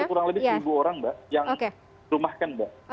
orang orang udah banyak kurang lebih seribu orang mbak yang rumahkan mbak